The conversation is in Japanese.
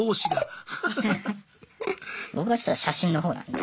僕はちょっと写真のほうなんで。